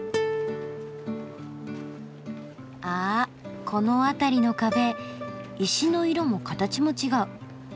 あぁこの辺りの壁石の色も形も違う。